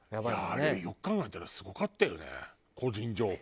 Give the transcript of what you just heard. あれよく考えたらすごかったよね個人情報。